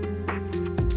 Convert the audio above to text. tante ini sudah beres